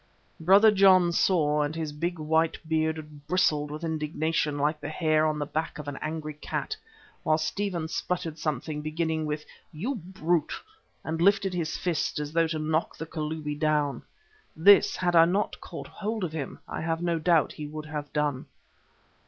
Brother John saw, and his big white beard bristled with indignation like the hair on the back of an angry cat, while Stephen spluttered something beginning with "You brute," and lifted his fist as though to knock the Kalubi down. This, had I not caught hold of him, I have no doubt he would have done.